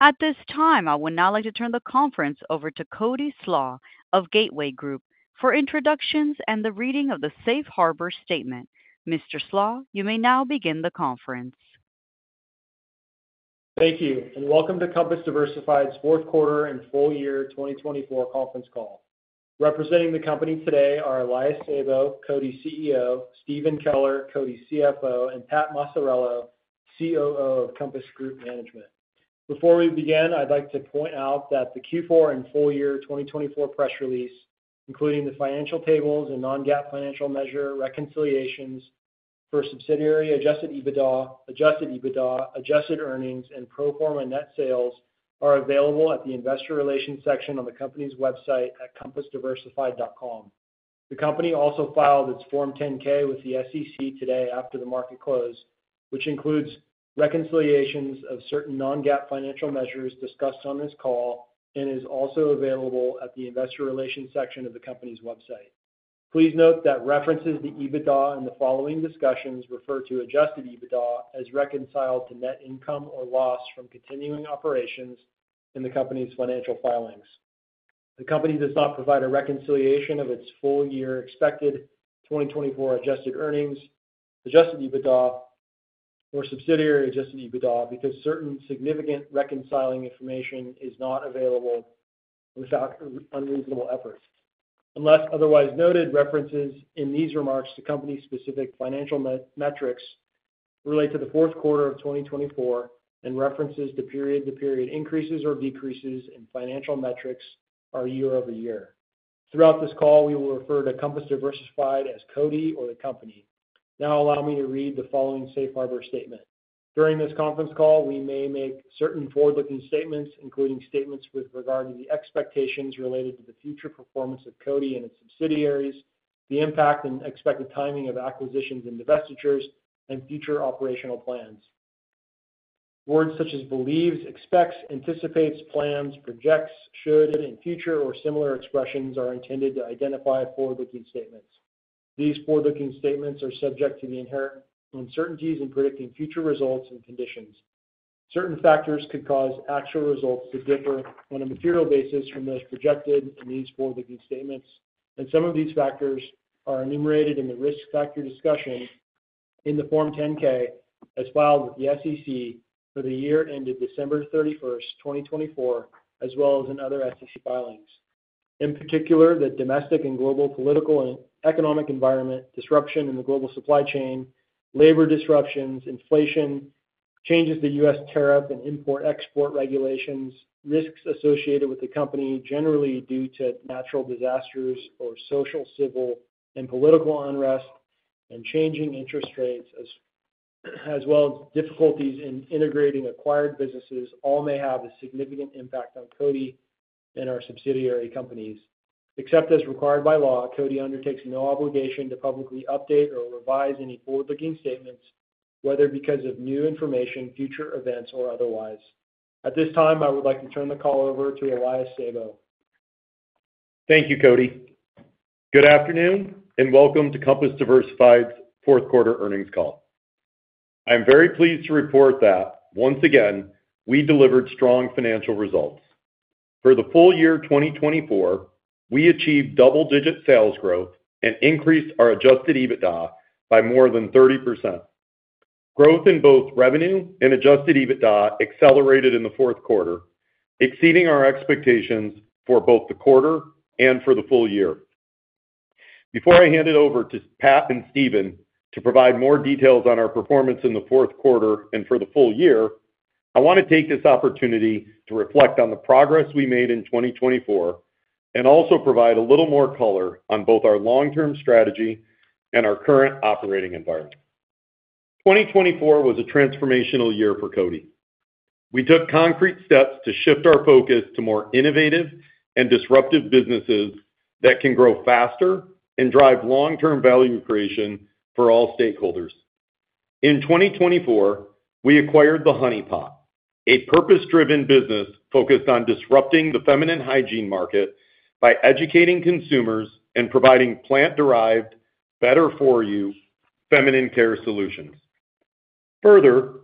At this time, I would now like to turn the conference over to Cody Slach of Gateway Group for introductions and the reading of the Safe Harbor Statement. Mr. Slach, you may now begin the conference. Thank you, and welcome to Compass Diversified's fourth quarter and full year 2024 conference call. Representing the company today are Elias Sabo, CODI CEO; Stephen Keller, CODI CFO; and Patrick Maciariello, COO of Compass Group Management. Before we begin, I'd like to point out that the Q4 and full year 2024 press release, including the financial tables and non-GAAP financial measure reconciliations for subsidiary adjusted EBITDA, adjusted EBITDA, adjusted earnings, and pro forma net sales, are available at the investor relations section on the company's website at compassdiversified.com. The company also filed its Form 10-K with the SEC today after the market closed, which includes reconciliations of certain non-GAAP financial measures discussed on this call and is also available at the investor relations section of the company's website. Please note that references to EBITDA in the following discussions refer to adjusted EBITDA as reconciled to net income or loss from continuing operations in the company's financial filings. The company does not provide a reconciliation of its full year expected 2024 adjusted earnings, adjusted EBITDA, or subsidiary adjusted EBITDA because certain significant reconciling information is not available without unreasonable efforts. Unless otherwise noted, references in these remarks to company-specific financial metrics relate to the fourth quarter of 2024 and references to period-to-period increases or decreases in financial metrics are year over year. Throughout this call, we will refer to Compass Diversified as CODI or the company. Now, allow me to read the following Safe Harbor Statement. During this conference call, we may make certain forward-looking statements, including statements with regard to the expectations related to the future performance of CODI and its subsidiaries, the impact and expected timing of acquisitions and divestitures, and future operational plans. Words such as believes, expects, anticipates, plans, projects, should, and future or similar expressions are intended to identify forward-looking statements. These forward-looking statements are subject to the inherent uncertainties in predicting future results and conditions. Certain factors could cause actual results to differ on a material basis from those projected in these forward-looking statements, and some of these factors are enumerated in the risk factor discussion in the Form 10-K as filed with the SEC for the year ended December 31st, 2024, as well as in other SEC filings. In particular, the domestic and global political and economic environment, disruption in the global supply chain, labor disruptions, inflation, changes to U.S. tariff and import-export regulations, risks associated with the company generally due to natural disasters or social, civil, and political unrest, and changing interest rates as well as difficulties in integrating acquired businesses all may have a significant impact on CODI and our subsidiary companies. Except as required by law, CODI undertakes no obligation to publicly update or revise any forward-looking statements, whether because of new information, future events, or otherwise. At this time, I would like to turn the call over to Elias Sabo. Thank you, Cody. Good afternoon and welcome to Compass Diversified's fourth quarter earnings call. I am very pleased to report that, once again, we delivered strong financial results. For the full year 2024, we achieved double-digit sales growth and increased our adjusted EBITDA by more than 30%. Growth in both revenue and adjusted EBITDA accelerated in the fourth quarter, exceeding our expectations for both the quarter and for the full year. Before I hand it over to Pat and Stephen to provide more details on our performance in the fourth quarter and for the full year, I want to take this opportunity to reflect on the progress we made in 2024 and also provide a little more color on both our long-term strategy and our current operating environment. 2024 was a transformational year for CODI. We took concrete steps to shift our focus to more innovative and disruptive businesses that can grow faster and drive long-term value creation for all stakeholders. In 2024, we acquired The Honey Pot, a purpose-driven business focused on disrupting the feminine hygiene market by educating consumers and providing plant-derived, better-for-you feminine care solutions. Further,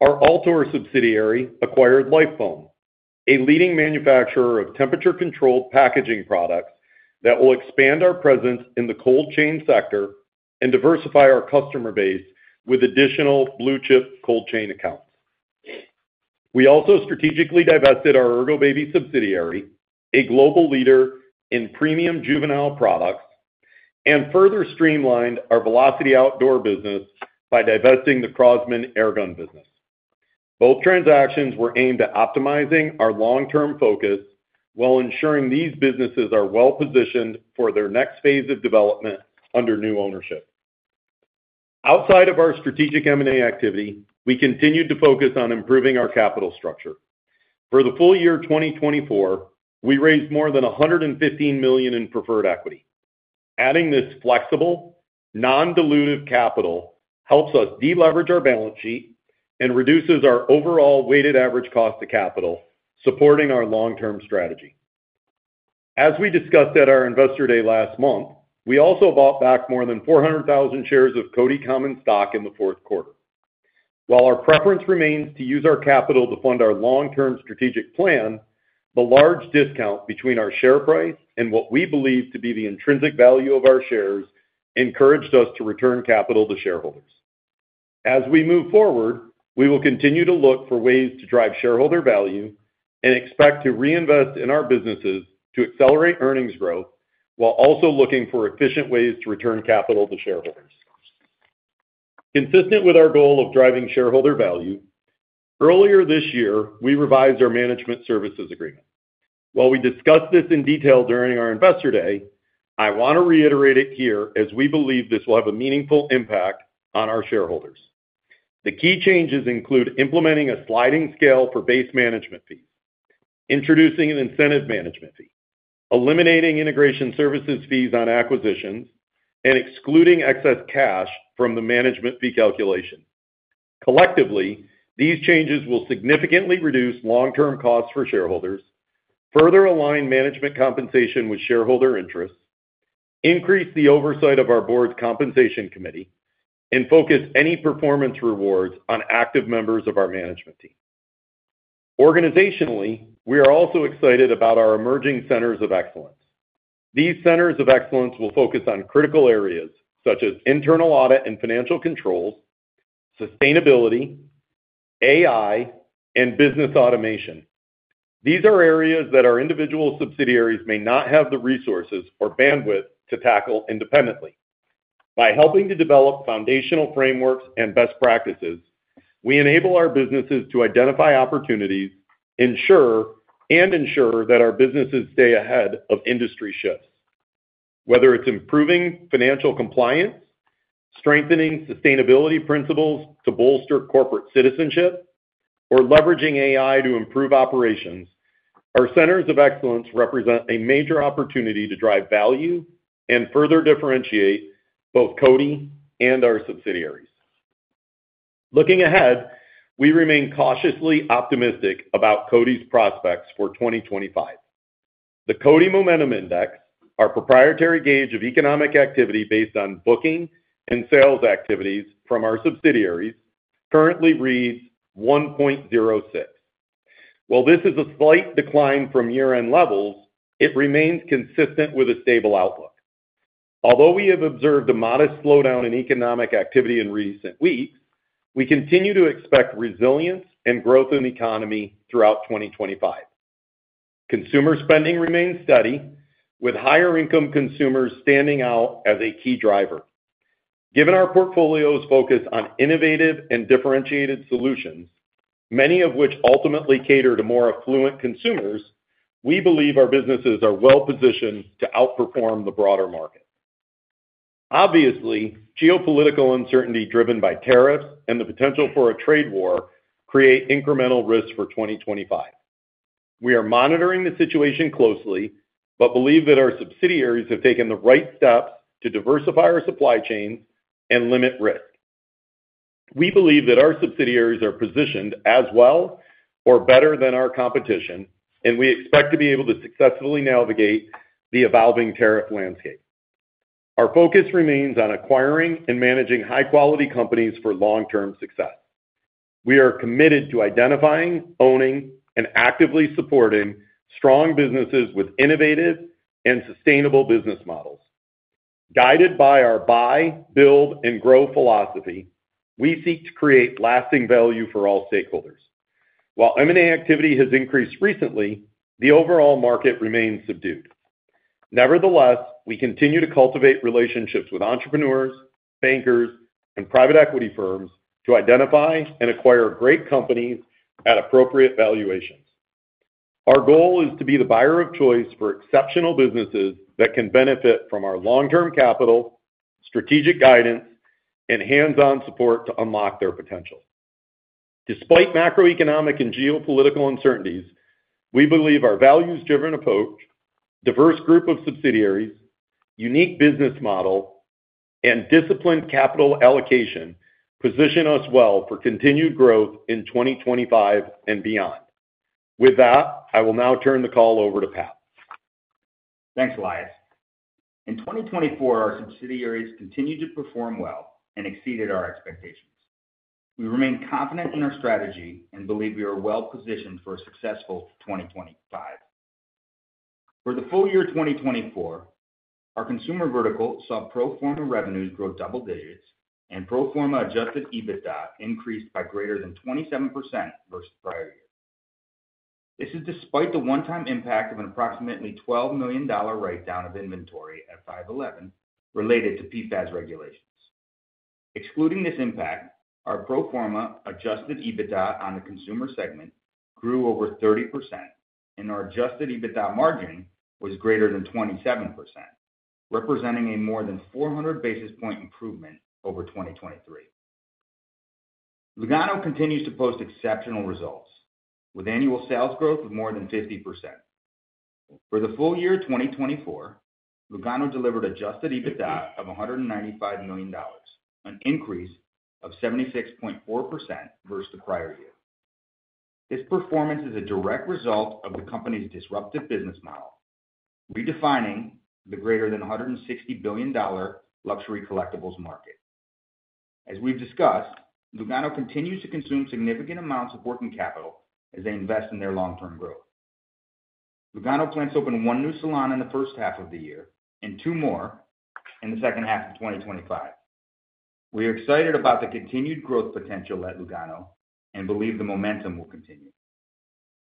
our Altor subsidiary acquired Lifoam, a leading manufacturer of temperature-controlled packaging products that will expand our presence in the cold chain sector and diversify our customer base with additional blue-chip cold chain accounts. We also strategically divested our Ergobaby subsidiary, a global leader in premium juvenile products, and further streamlined our Velocity Outdoor business by divesting the Crosman Airgun business. Both transactions were aimed at optimizing our long-term focus while ensuring these businesses are well-positioned for their next phase of development under new ownership. Outside of our strategic M&A activity, we continued to focus on improving our capital structure. For the full year 2024, we raised more than $115 million in preferred equity. Adding this flexible, non-dilutive capital helps us deleverage our balance sheet and reduces our overall weighted average cost of capital, supporting our long-term strategy. As we discussed at our Investor Day last month, we also bought back more than 400,000 shares of CODI common stock in the fourth quarter. While our preference remains to use our capital to fund our long-term strategic plan, the large discount between our share price and what we believe to be the intrinsic value of our shares encouraged us to return capital to shareholders. As we move forward, we will continue to look for ways to drive shareholder value and expect to reinvest in our businesses to accelerate earnings growth while also looking for efficient ways to return capital to shareholders. Consistent with our goal of driving shareholder value, earlier this year, we revised our management services agreement. While we discussed this in detail during our Investor Day, I want to reiterate it here as we believe this will have a meaningful impact on our shareholders. The key changes include implementing a sliding scale for base management fees, introducing an incentive management fee, eliminating integration services fees on acquisitions, and excluding excess cash from the management fee calculation. Collectively, these changes will significantly reduce long-term costs for shareholders, further align management compensation with shareholder interests, increase the oversight of our board's compensation committee, and focus any performance rewards on active members of our management team. Organizationally, we are also excited about our emerging centers of excellence. These centers of excellence will focus on critical areas such as internal audit and financial controls, sustainability, AI, and business automation. These are areas that our individual subsidiaries may not have the resources or bandwidth to tackle independently. By helping to develop foundational frameworks and best practices, we enable our businesses to identify opportunities and ensure that our businesses stay ahead of industry shifts. Whether it's improving financial compliance, strengthening sustainability principles to bolster corporate citizenship, or leveraging AI to improve operations, our centers of excellence represent a major opportunity to drive value and further differentiate both CODI and our subsidiaries. Looking ahead, we remain cautiously optimistic about CODI's prospects for 2025. The CODI Momentum Index, our proprietary gauge of economic activity based on booking and sales activities from our subsidiaries, currently reads 1.06. While this is a slight decline from year-end levels, it remains consistent with a stable outlook. Although we have observed a modest slowdown in economic activity in recent weeks, we continue to expect resilience and growth in the economy throughout 2025. Consumer spending remains steady, with higher-income consumers standing out as a key driver. Given our portfolio's focus on innovative and differentiated solutions, many of which ultimately cater to more affluent consumers, we believe our businesses are well-positioned to outperform the broader market. Obviously, geopolitical uncertainty driven by tariffs and the potential for a trade war create incremental risk for 2025. We are monitoring the situation closely but believe that our subsidiaries have taken the right steps to diversify our supply chains and limit risk. We believe that our subsidiaries are positioned as well or better than our competition, and we expect to be able to successfully navigate the evolving tariff landscape. Our focus remains on acquiring and managing high-quality companies for long-term success. We are committed to identifying, owning, and actively supporting strong businesses with innovative and sustainable business models. Guided by our buy, build, and grow philosophy, we seek to create lasting value for all stakeholders. While M&A activity has increased recently, the overall market remains subdued. Nevertheless, we continue to cultivate relationships with entrepreneurs, bankers, and private equity firms to identify and acquire great companies at appropriate valuations. Our goal is to be the buyer of choice for exceptional businesses that can benefit from our long-term capital, strategic guidance, and hands-on support to unlock their potential. Despite macroeconomic and geopolitical uncertainties, we believe our values-driven approach, diverse group of subsidiaries, unique business model, and disciplined capital allocation position us well for continued growth in 2025 and beyond. With that, I will now turn the call over to Pat. Thanks, Elias. In 2024, our subsidiaries continued to perform well and exceeded our expectations. We remain confident in our strategy and believe we are well-positioned for a successful 2025. For the full year 2024, our consumer vertical saw pro forma revenues grow double digits and pro forma adjusted EBITDA increased by greater than 27% versus prior years. This is despite the one-time impact of an approximately $12 million write-down of inventory at 5.11 related to PFAS regulations. Excluding this impact, our pro forma adjusted EBITDA on the consumer segment grew over 30%, and our adjusted EBITDA margin was greater than 27%, representing a more than 400 basis point improvement over 2023. Lugano continues to post exceptional results, with annual sales growth of more than 50%. For the full year 2024, Lugano delivered adjusted EBITDA of $195 million, an increase of 76.4% versus the prior year. This performance is a direct result of the company's disruptive business model, redefining the greater than $160 billion luxury collectibles market. As we've discussed, Lugano continues to consume significant amounts of working capital as they invest in their long-term growth. Lugano plans to open one new salon in the first half of the year and two more in the second half of 2025. We are excited about the continued growth potential at Lugano and believe the momentum will continue.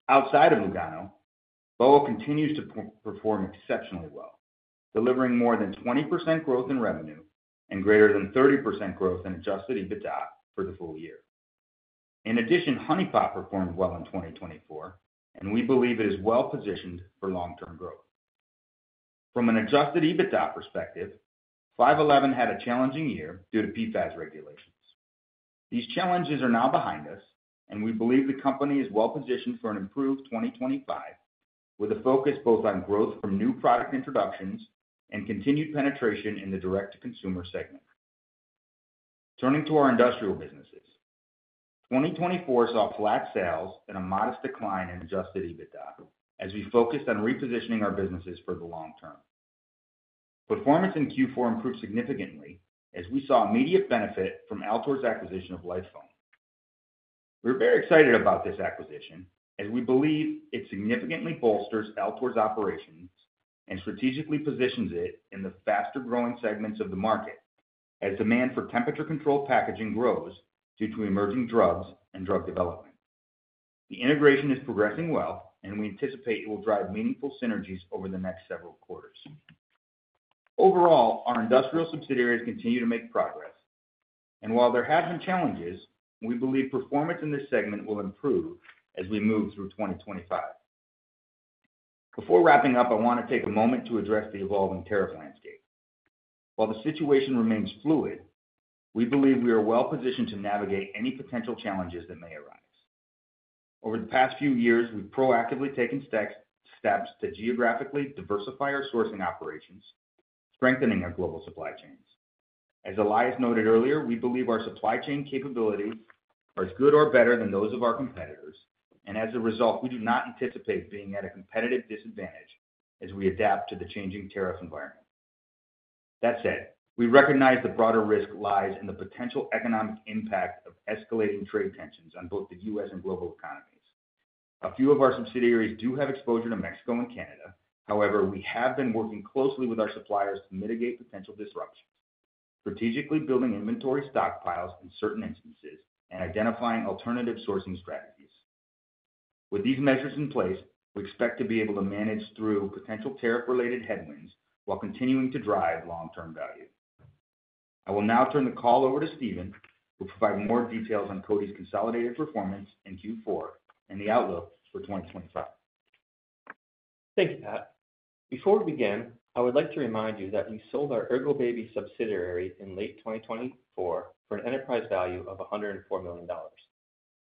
Outside of Lugano, BOA continues to perform exceptionally well, delivering more than 20% growth in revenue and greater than 30% growth in adjusted EBITDA for the full year. In addition, Honey Pot performed well in 2024, and we believe it is well-positioned for long-term growth. From an adjusted EBITDA perspective, 5.11 had a challenging year due to PFAS regulations. These challenges are now behind us, and we believe the company is well-positioned for an improved 2025 with a focus both on growth from new product introductions and continued penetration in the direct-to-consumer segment. Turning to our industrial businesses, 2024 saw flat sales and a modest decline in adjusted EBITDA as we focused on repositioning our businesses for the long term. Performance in Q4 improved significantly as we saw immediate benefit from Altor's acquisition of Lifoam. We're very excited about this acquisition as we believe it significantly bolsters Altor's operations and strategically positions it in the faster-growing segments of the market as demand for temperature-controlled packaging grows due to emerging drugs and drug development. The integration is progressing well, and we anticipate it will drive meaningful synergies over the next several quarters. Overall, our industrial subsidiaries continue to make progress, and while there have been challenges, we believe performance in this segment will improve as we move through 2025. Before wrapping up, I want to take a moment to address the evolving tariff landscape. While the situation remains fluid, we believe we are well-positioned to navigate any potential challenges that may arise. Over the past few years, we've proactively taken steps to geographically diversify our sourcing operations, strengthening our global supply chains. As Elias noted earlier, we believe our supply chain capabilities are as good or better than those of our competitors, and as a result, we do not anticipate being at a competitive disadvantage as we adapt to the changing tariff environment. That said, we recognize the broader risk lies in the potential economic impact of escalating trade tensions on both the U.S. and global economies. A few of our subsidiaries do have exposure to Mexico and Canada. However, we have been working closely with our suppliers to mitigate potential disruptions, strategically building inventory stockpiles in certain instances and identifying alternative sourcing strategies. With these measures in place, we expect to be able to manage through potential tariff-related headwinds while continuing to drive long-term value. I will now turn the call over to Stephen, who will provide more details on CODI's consolidated performance in Q4 and the outlook for 2025. Thank you, Pat. Before we begin, I would like to remind you that we sold our Ergobaby subsidiary in late 2024 for an enterprise value of $104 million.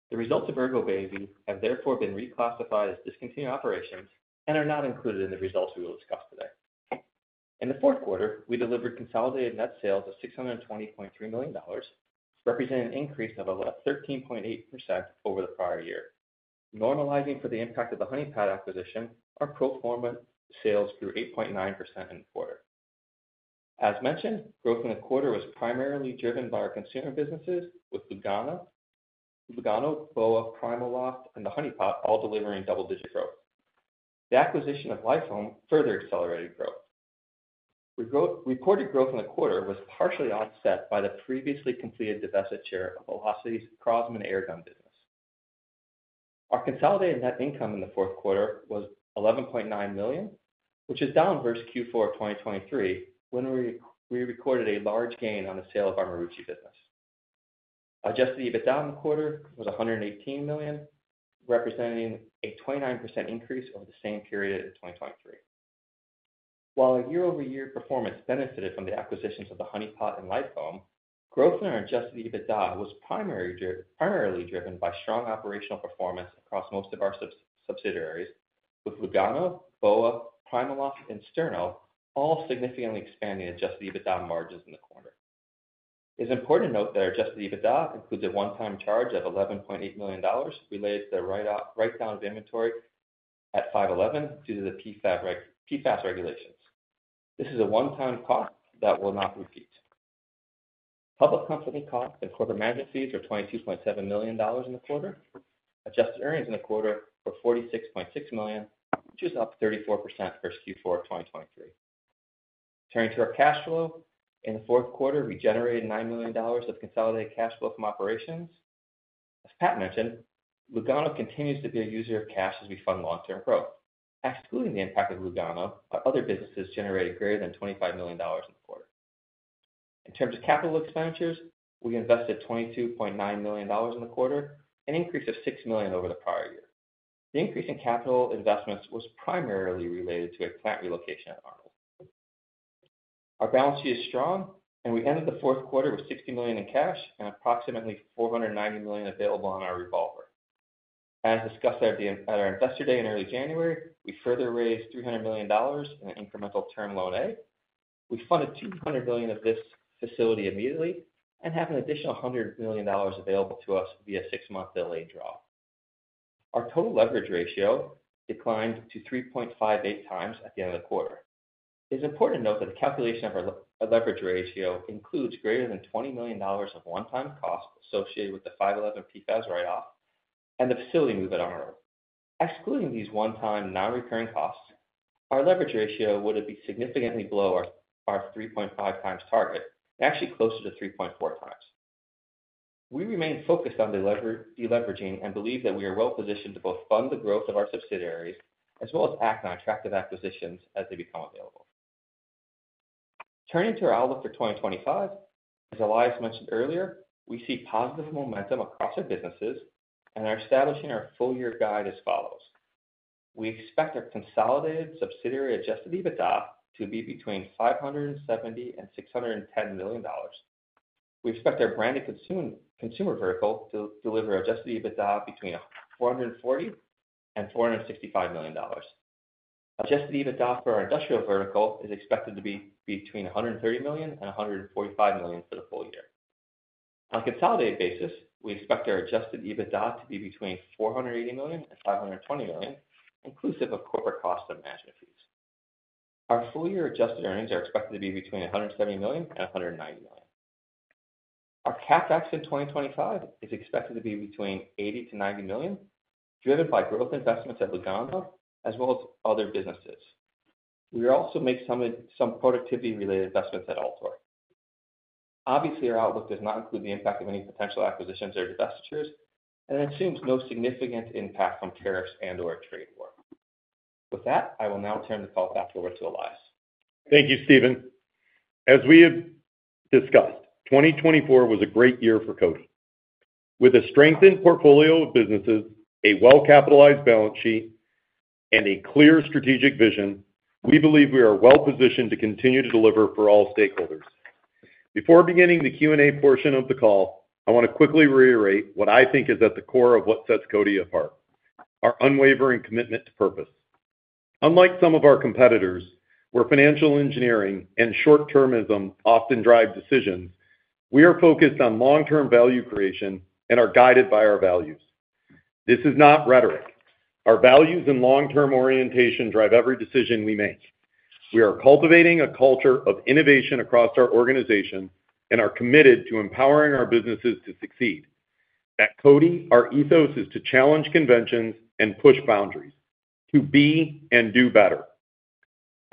The results of Ergobaby have therefore been reclassified as discontinued operations and are not included in the results we will discuss today. In the fourth quarter, we delivered consolidated net sales of $620.3 million, representing an increase of about 13.8% over the prior year. Normalizing for the impact of the Honey Pot acquisition, our pro forma sales grew 8.9% in the quarter. As mentioned, growth in the quarter was primarily driven by our consumer businesses with Lugano, BOA, Primaloft, and the Honey Pot, all delivering double-digit growth. The acquisition of Lifoam further accelerated growth. Reported growth in the quarter was partially offset by the previously completed divestiture of Velocity's Crosman Airgun business. Our consolidated net income in the fourth quarter was $11.9 million, which is down versus Q4 of 2023 when we recorded a large gain on the sale of our Marucci business. Adjusted EBITDA in the quarter was $118 million, representing a 29% increase over the same period in 2023. While our year-over-year performance benefited from the acquisitions of the Honey Pot and Lifoam, growth in our adjusted EBITDA was primarily driven by strong operational performance across most of our subsidiaries, with Lugano, BOA, Primaloft, and Sterno all significantly expanding adjusted EBITDA margins in the quarter. It's important to note that our adjusted EBITDA includes a one-time charge of $11.8 million related to the write-down of inventory at 5.11 due to the PFAS regulations. This is a one-time cost that will not repeat. Public company costs and corporate management fees were $22.7 million in the quarter. Adjusted earnings in the quarter were $46.6 million, which is up 34% versus Q4 of 2023. Turning to our cash flow, in the fourth quarter, we generated $9 million of consolidated cash flow from operations. As Pat mentioned, Lugano continues to be a user of cash as we fund long-term growth. Excluding the impact of Lugano, other businesses generated greater than $25 million in the quarter. In terms of capital expenditures, we invested $22.9 million in the quarter, an increase of $6 million over the prior year. The increase in capital investments was primarily related to a plant relocation at Arnold. Our balance sheet is strong, and we ended the fourth quarter with $60 million in cash and approximately $490 million available on our revolver. As discussed at our Investor Day in early January, we further raised $300 million in an incremental term loan A. We funded $200 million of this facility immediately and have an additional $100 million available to us via a six-month delayed draw. Our total leverage ratio declined to 3.58 times at the end of the quarter. It's important to note that the calculation of our leverage ratio includes greater than $20 million of one-time costs associated with the 5.11 PFAS write-off and the facility move at Arnold. Excluding these one-time non-recurring costs, our leverage ratio would have been significantly below our 3.5 times target, actually closer to 3.4 times. We remain focused on deleveraging and believe that we are well-positioned to both fund the growth of our subsidiaries as well as act on attractive acquisitions as they become available. Turning to our outlook for 2025, as Elias mentioned earlier, we see positive momentum across our businesses, and our establishing our full-year guide as follows. We expect our consolidated subsidiary adjusted EBITDA to be between $570 million and $610 million. We expect our branded consumer vertical to deliver adjusted EBITDA between $440 million and $465 million. Adjusted EBITDA for our industrial vertical is expected to be between $130 million and $145 million for the full year. On a consolidated basis, we expect our adjusted EBITDA to be between $480 million and $520 million, inclusive of corporate costs and management fees. Our full-year adjusted earnings are expected to be between $170 million and $190 million. Our CapEx in 2025 is expected to be between $80 million to $90 million, driven by growth investments at Lugano as well as other businesses. We also make some productivity-related investments at Altor. Obviously, our outlook does not include the impact of any potential acquisitions or divestitures and assumes no significant impact from tariffs and/or trade war. With that, I will now turn the call back over to Elias. Thank you, Stephen. As we have discussed, 2024 was a great year for CODI. With a strengthened portfolio of businesses, a well-capitalized balance sheet, and a clear strategic vision, we believe we are well-positioned to continue to deliver for all stakeholders. Before beginning the Q&A portion of the call, I want to quickly reiterate what I think is at the core of what sets CODI apart: our unwavering commitment to purpose. Unlike some of our competitors, where financial engineering and short-termism often drive decisions, we are focused on long-term value creation and are guided by our values. This is not rhetoric. Our values and long-term orientation drive every decision we make. We are cultivating a culture of innovation across our organization and are committed to empowering our businesses to succeed. At CODI, our ethos is to challenge conventions and push boundaries, to be and do better.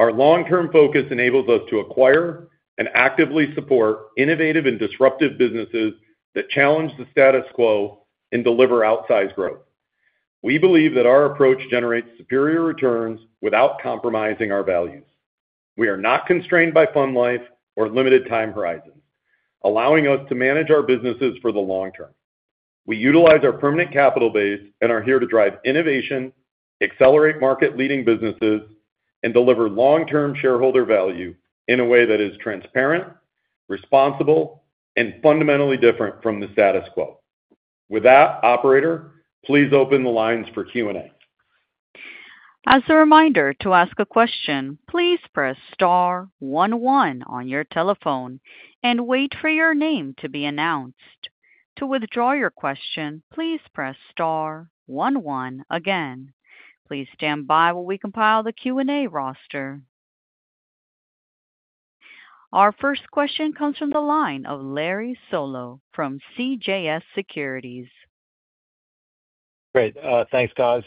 Our long-term focus enables us to acquire and actively support innovative and disruptive businesses that challenge the status quo and deliver outsized growth. We believe that our approach generates superior returns without compromising our values. We are not constrained by fund life or limited time horizons, allowing us to manage our businesses for the long term. We utilize our permanent capital base and are here to drive innovation, accelerate market-leading businesses, and deliver long-term shareholder value in a way that is transparent, responsible, and fundamentally different from the status quo. With that, operator, please open the lines for Q&A. As a reminder to ask a question, please press star one one on your telephone and wait for your name to be announced. To withdraw your question, please press star one one again. Please stand by while we compile the Q&A roster. Our first question comes from the line of Lawrence Solow from CJS Securities` Great. Thanks, guys.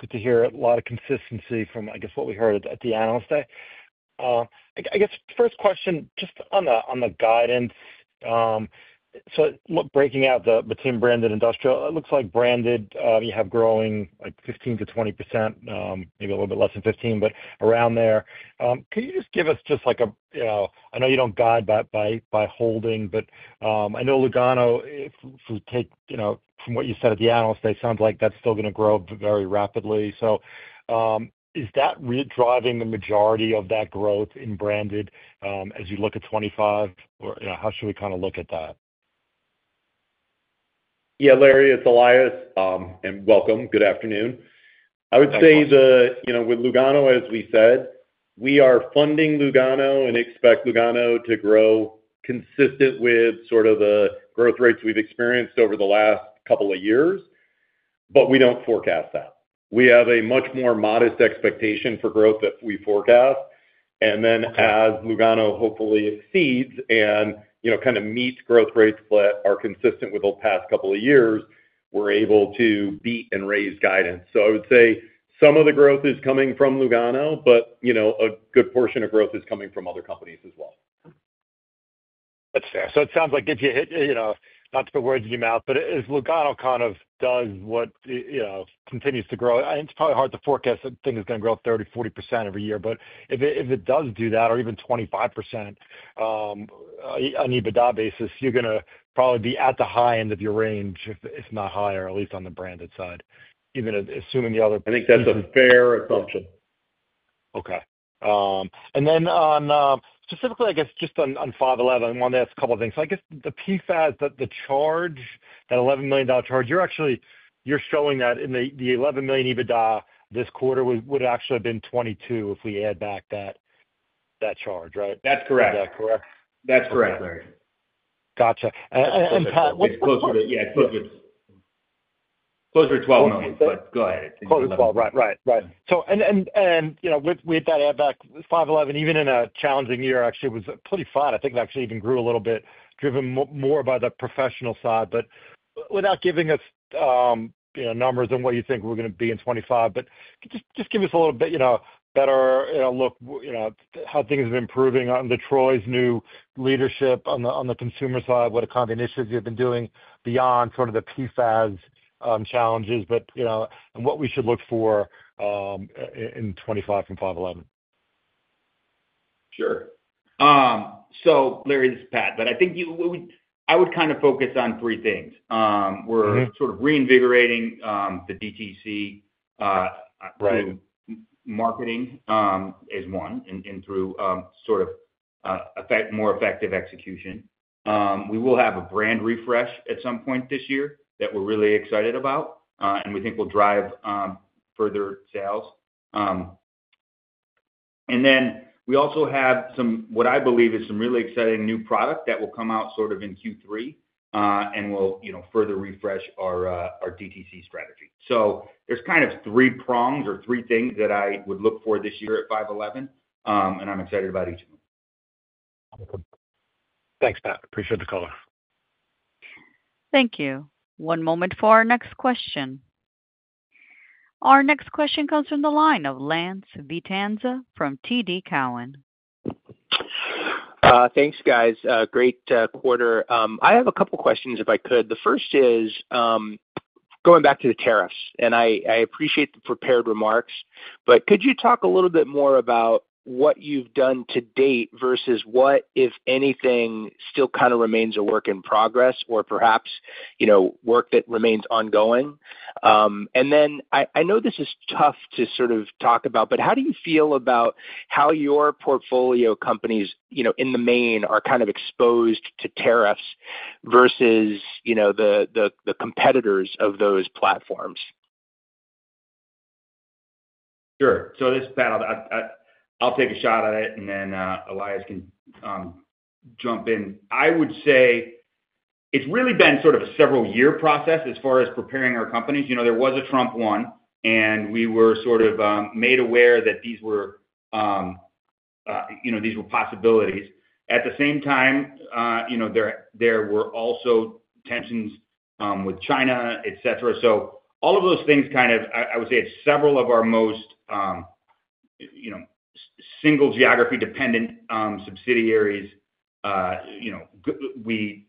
Good to hear a lot of consistency from, I guess, what we heard at the analyst day. I guess first question, just on the guidance, so breaking out between Branded and Industrial, it looks like Branded, you have growing like 15% to 20%, maybe a little bit less than 15%, but around there. Can you just give us just like a—I know you don't guide by holding, but I know Lugano, from what you said at the analyst day, sounds like that's still going to grow very rapidly. Is that driving the majority of that growth in Branded as you look at 2025? How should we kind of look at that? Yeah, Larry, it's Elias. Welcome. Good afternoon. I would say that with Lugano, as we said, we are funding Lugano and expect Lugano to grow consistent with sort of the growth rates we've experienced over the last couple of years, but we do not forecast that. We have a much more modest expectation for growth that we forecast. As Lugano hopefully exceeds and kind of meets growth rates that are consistent with the past couple of years, we are able to beat and raise guidance. I would say some of the growth is coming from Lugano, but a good portion of growth is coming from other companies as well. That's fair. It sounds like if you hit—not to put words in your mouth—but if Lugano kind of does what continues to grow, it's probably hard to forecast that things are going to grow 30% to 40% every year. If it does do that, or even 25% on an EBITDA basis, you're going to probably be at the high end of your range, if not higher, at least on the Branded side, even assuming the other— I think that's a fair assumption. Okay. Specifically, I guess, just on 5.11, I want to ask a couple of things. I guess the PFAS, the charge, that $11 million charge, you're showing that in the $11 million EBITDA this quarter would actually have been $22 million if we add back that charge, right? That's correct. Is that correct? That's correct, Larry. Gotcha. And Pat. It's closer to—yeah, it's closer to $12 million, but go ahead. Closer to 12, right, right, right. With that add-back, 5.11, even in a challenging year, actually, was pretty fine. I think it actually even grew a little bit, driven more by the professional side. Without giving us numbers on what you think we're going to be in 2025, just give us a little bit better look at how things have been improving on Detroit's new leadership on the consumer side, what kind of initiatives you've been doing beyond sort of the PFAS challenges, and what we should look for in 2025 from 5.11. Sure. Larry, this is Pat, but I think I would kind of focus on three things. We're sort of reinvigorating the DTC through marketing is one and through sort of more effective execution. We will have a brand refresh at some point this year that we're really excited about, and we think will drive further sales. We also have what I believe is some really exciting new product that will come out sort of in Q3 and will further refresh our DTC strategy. There are three prongs or three things that I would look for this year at 5.11, and I'm excited about each of them. Thanks, Pat. Appreciate the call. Thank you. One moment for our next question. Our next question comes from the line of Lance Vitanza from TD Cowen. Thanks, guys. Great quarter. I have a couple of questions, if I could. The first is going back to the tariffs, and I appreciate the prepared remarks, but could you talk a little bit more about what you've done to date versus what, if anything, still kind of remains a work in progress or perhaps work that remains ongoing? I know this is tough to sort of talk about, but how do you feel about how your portfolio companies in the main are kind of exposed to tariffs versus the competitors of those platforms? Sure. This is Pat. I'll take a shot at it, and then Elias can jump in. I would say it's really been sort of a several-year process as far as preparing our companies. There was a Trump one, and we were sort of made aware that these were possibilities. At the same time, there were also tensions with China, etc. All of those things kind of—I would say it's several of our most single geography-dependent subsidiaries. We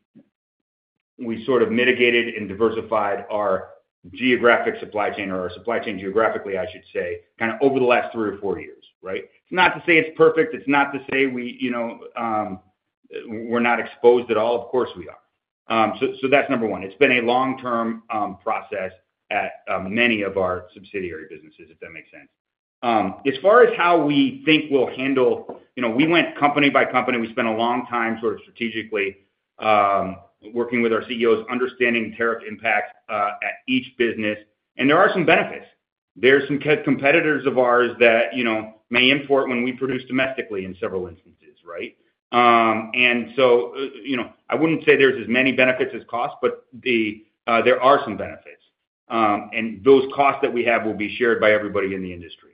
sort of mitigated and diversified our geographic supply chain or our supply chain geographically, I should say, over the last three or four years, right? It's not to say it's perfect. It's not to say we're not exposed at all. Of course, we are. That's number one. It's been a long-term process at many of our subsidiary businesses, if that makes sense. As far as how we think we'll handle, we went company by company. We spent a long time sort of strategically working with our CEOs, understanding tariff impact at each business. There are some benefits. There are some competitors of ours that may import when we produce domestically in several instances, right? I wouldn't say there's as many benefits as costs, but there are some benefits. Those costs that we have will be shared by everybody in the industry.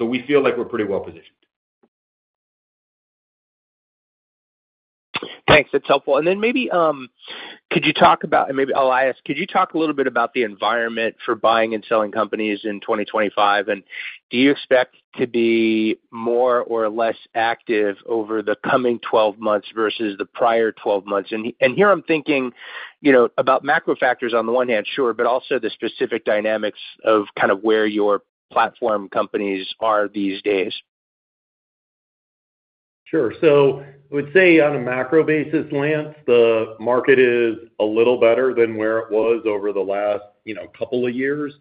We feel like we're pretty well-positioned. Thanks. That's helpful. Maybe could you talk about—and maybe Elias, could you talk a little bit about the environment for buying and selling companies in 2025? Do you expect to be more or less active over the coming 12 months versus the prior 12 months? Here I'm thinking about macro factors on the one hand, sure, but also the specific dynamics of kind of where your platform companies are these days. Sure. I would say on a macro basis, Lance, the market is a little better than where it was over the last couple of years.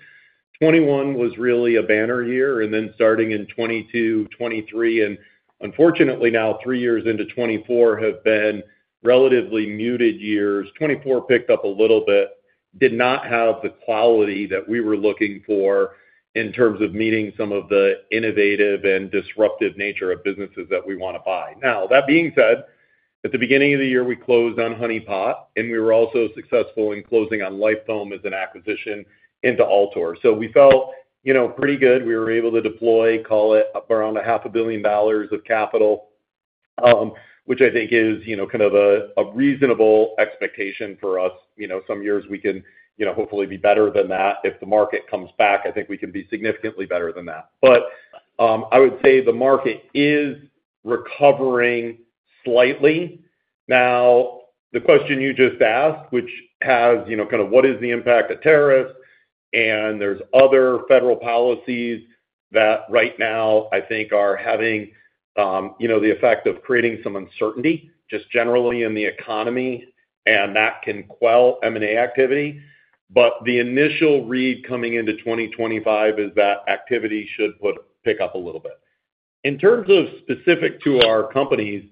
2021 was really a banner year, and then starting in 2022, 2023, and unfortunately now three years into 2024 have been relatively muted years. 2024 picked up a little bit, did not have the quality that we were looking for in terms of meeting some of the innovative and disruptive nature of businesses that we want to buy. That being said, at the beginning of the year, we closed on Honey Pot, and we were also successful in closing on Lifoam as an acquisition into Altor. We felt pretty good. We were able to deploy, call it, around $500,000,000 of capital, which I think is kind of a reasonable expectation for us. Some years we can hopefully be better than that. If the market comes back, I think we can be significantly better than that. I would say the market is recovering slightly. Now, the question you just asked, which has kind of what is the impact of tariffs? There are other federal policies that right now I think are having the effect of creating some uncertainty just generally in the economy, and that can quell M&A activity. The initial read coming into 2025 is that activity should pick up a little bit. In terms of specific to our companies,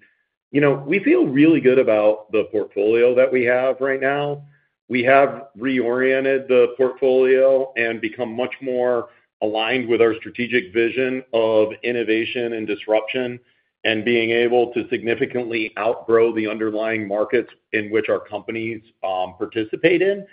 we feel really good about the portfolio that we have right now. We have reoriented the portfolio and become much more aligned with our strategic vision of innovation and disruption and being able to significantly outgrow the underlying markets in which our companies participate in.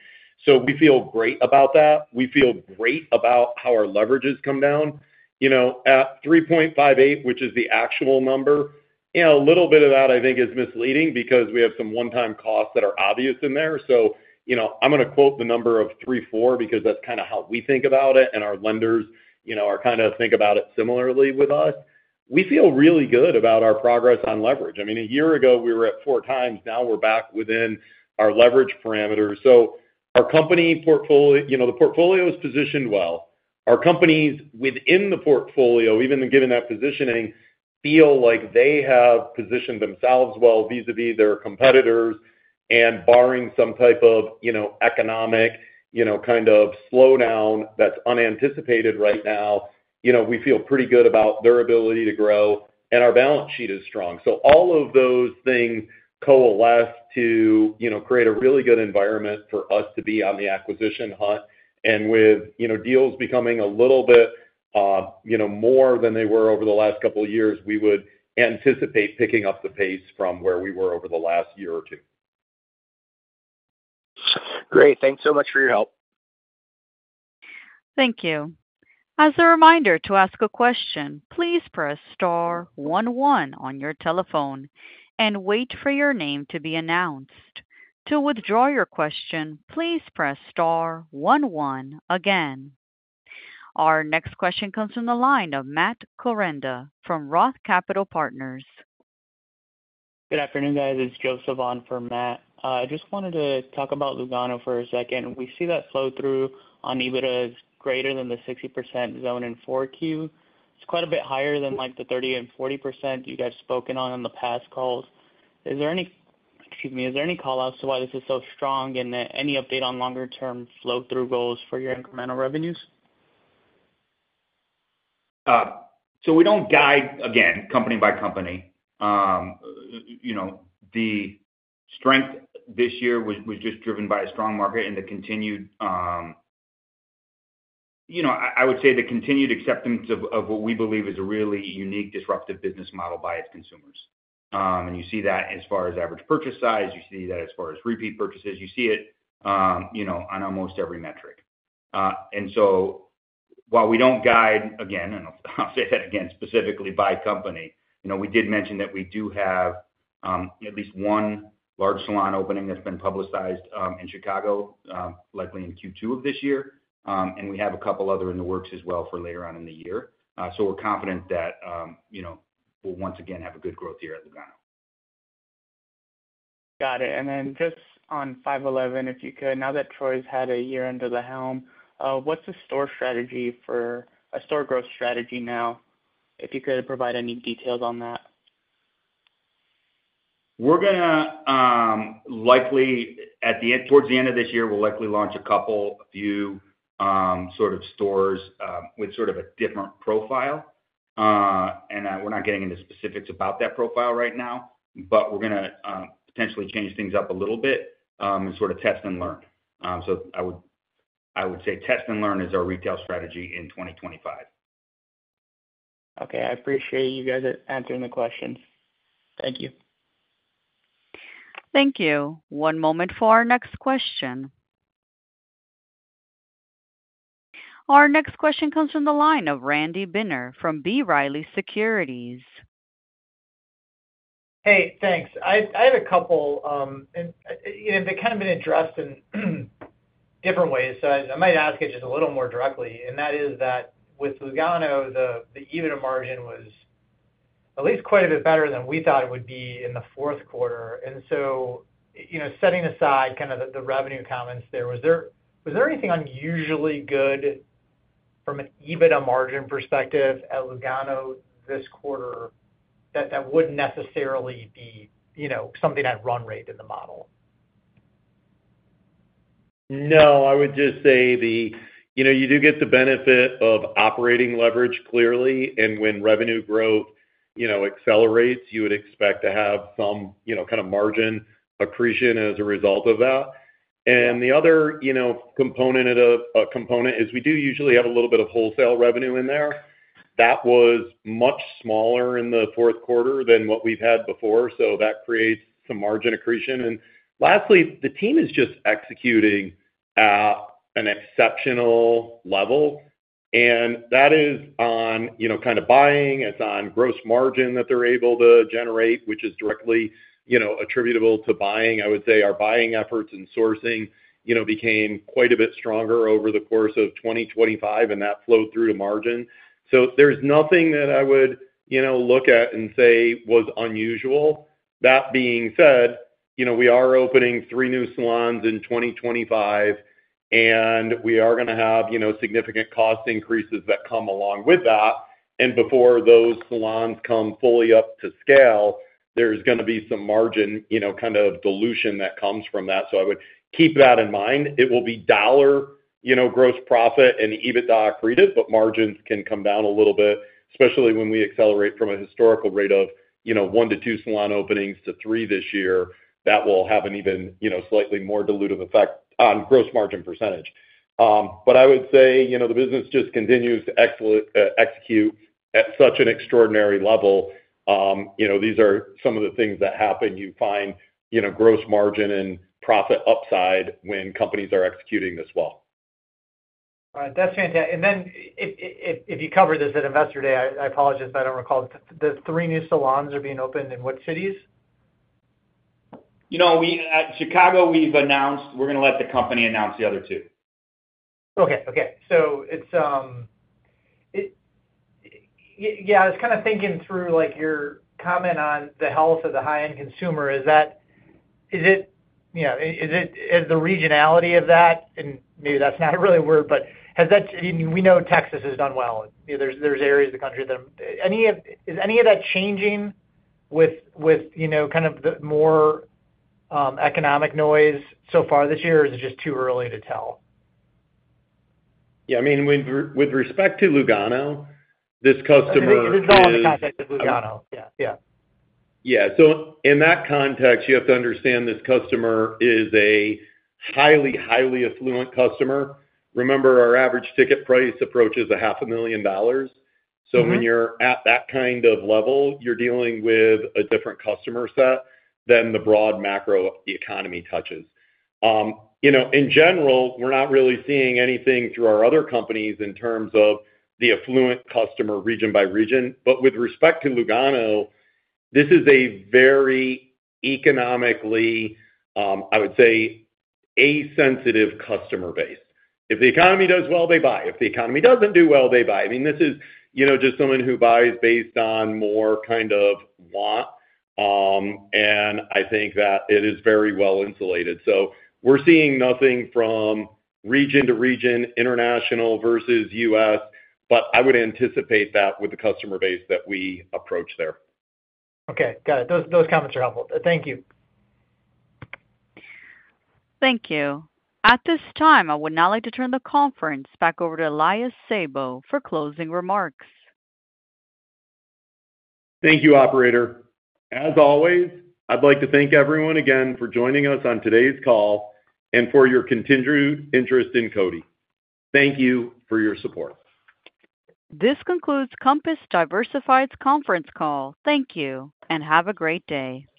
We feel great about that. We feel great about how our leverage has come down. At 3.58, which is the actual number, a little bit of that I think is misleading because we have some one-time costs that are obvious in there. I'm going to quote the number of 3.4 because that's kind of how we think about it, and our lenders kind of think about it similarly with us. We feel really good about our progress on leverage. I mean, a year ago we were at four times. Now we're back within our leverage parameters. Our company portfolio, the portfolio is positioned well. Our companies within the portfolio, even given that positioning, feel like they have positioned themselves well vis-à-vis their competitors and barring some type of economic kind of slowdown that's unanticipated right now, we feel pretty good about their ability to grow, and our balance sheet is strong. All of those things coalesce to create a really good environment for us to be on the acquisition hunt. With deals becoming a little bit more than they were over the last couple of years, we would anticipate picking up the pace from where we were over the last year or two. Great. Thanks so much for your help. Thank you. As a reminder to ask a question, please press star one one on your telephone and wait for your name to be announced. To withdraw your question, please press star one one again. Our next question comes from the line of Matt Korenda from Roth Capital Partners. Good afternoon, guys. It's Joseph on for Matt. I just wanted to talk about Lugano for a second. We see that flow-through on EBITDA is greater than the 60% zone in Q4. It's quite a bit higher than the 30% and 40% you guys have spoken on in the past calls. Excuse me. Is there any callouts to why this is so strong and any update on longer-term flow-through goals for your incremental revenues? We don't guide, again, company by company. The strength this year was just driven by a strong market and the continued—I would say the continued acceptance of what we believe is a really unique disruptive business model by its consumers. You see that as far as average purchase size. You see that as far as repeat purchases. You see it on almost every metric. While we don't guide, again, and I'll say that again, specifically by company, we did mention that we do have at least one large salon opening that's been publicized in Chicago, likely in Q2 of this year. We have a couple other in the works as well for later on in the year. We're confident that we'll once again have a good growth here at Lugano. Got it. And then just on 5.11, if you could, now that Troy's had a year under the helm, what's a store strategy for a store growth strategy now? If you could provide any details on that. We're going to likely, towards the end of this year, we'll likely launch a couple, a few sort of stores with sort of a different profile. We're not getting into specifics about that profile right now, but we're going to potentially change things up a little bit and sort of test and learn. I would say test and learn is our retail strategy in 2025. Okay. I appreciate you guys answering the questions. Thank you. Thank you. One moment for our next question. Our next question comes from the line of Randy Binner from B. Riley Securities. Hey, thanks. I have a couple—and they've kind of been addressed in different ways. I might ask it just a little more directly. That is that with Lugano, the EBITDA margin was at least quite a bit better than we thought it would be in the fourth quarter. Setting aside kind of the revenue comments there, was there anything unusually good from an EBITDA margin perspective at Lugano this quarter that wouldn't necessarily be something I'd run rate in the model? No, I would just say you do get the benefit of operating leverage clearly. When revenue growth accelerates, you would expect to have some kind of margin accretion as a result of that. The other component is we do usually have a little bit of wholesale revenue in there. That was much smaller in the fourth quarter than what we've had before. That creates some margin accretion. Lastly, the team is just executing at an exceptional level. That is on kind of buying. It's on gross margin that they're able to generate, which is directly attributable to buying. I would say our buying efforts and sourcing became quite a bit stronger over the course of 2025, and that flowed through to margin. There's nothing that I would look at and say was unusual. That being said, we are opening three new salons in 2025, and we are going to have significant cost increases that come along with that. Before those salons come fully up to scale, there's going to be some margin kind of dilution that comes from that. I would keep that in mind. It will be dollar gross profit and EBITDA accretive, but margins can come down a little bit, especially when we accelerate from a historical rate of one to two salon openings to three this year. That will have an even slightly more dilutive effect on gross margin percentage. I would say the business just continues to execute at such an extraordinary level. These are some of the things that happen. You find gross margin and profit upside when companies are executing this well. All right. That's fantastic. If you covered this at Investor Day, I apologize. I don't recall. The three new salons are being opened in what cities? At Chicago, we've announced we're going to let the company announce the other two. Okay. Yeah, I was kind of thinking through your comment on the health of the high-end consumer. Is it the regionality of that? And maybe that's not really a word, but we know Texas has done well. There's areas of the country that are—is any of that changing with kind of the more economic noise so far this year, or is it just too early to tell? Yeah. I mean, with respect to Lugano, this customer. I mean, it is all in the context of Lugano. Yeah. Yeah. Yeah. In that context, you have to understand this customer is a highly, highly affluent customer. Remember, our average ticket price approaches $500,000. When you're at that kind of level, you're dealing with a different customer set than the broad macro the economy touches. In general, we're not really seeing anything through our other companies in terms of the affluent customer region by region. With respect to Lugano, this is a very economically, I would say, A-sensitive customer base. If the economy does well, they buy. If the economy doesn't do well, they buy. I mean, this is just someone who buys based on more kind of want. I think that it is very well insulated. We're seeing nothing from region to region, international versus U.S., but I would anticipate that with the customer base that we approach there. Okay. Got it. Those comments are helpful. Thank you. Thank you. At this time, I would now like to turn the conference back over to Elias Sabo for closing remarks. Thank you, operator. As always, I'd like to thank everyone again for joining us on today's call and for your continued interest in CODI. Thank you for your support. This concludes Compass Diversified's conference call. Thank you and have a great day.